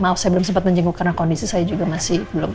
maaf saya belum sempat menjenguk karena kondisi saya juga masih belum